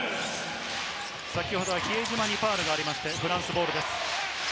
先ほど比江島にファウルがありまして、フランスボールです。